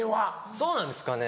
そうなんですかね。